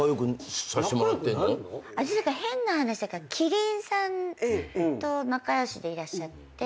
私変な話だけど希林さんと仲良しでいらっしゃって。